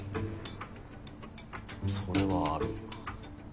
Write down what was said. それはあるか。